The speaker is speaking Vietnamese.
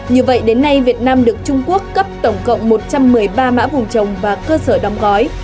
như vậy đến nay việt nam được trung quốc cấp tổng cộng một trăm một mươi ba mã vùng trồng và cơ sở đóng gói